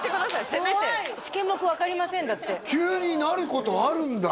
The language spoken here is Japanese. せめて「シケモク分かりません」だって急になることあるんだね